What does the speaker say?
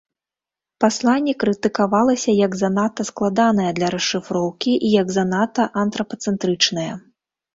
Пасланне крытыкавалася як занадта складанае для расшыфроўкі і як занадта антрапацэнтрычнае.